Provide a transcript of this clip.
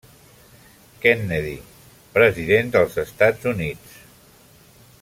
Kennedy, President dels Estats Units.